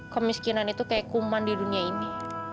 kemiskinan itu kayak kuman di dunia ini